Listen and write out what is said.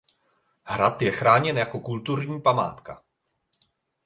Hrad je chráněn jako kulturní památka.